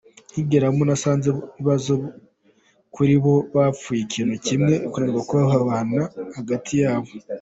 Nkigeramo nasanzemo ibibazo kuri bo, bapfuye ikintu kimwe, kunanirwa kubahana hagati yabo.